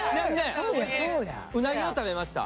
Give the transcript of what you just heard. うなぎを食べました。